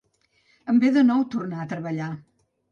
Em ve de nou, tornar a treballar.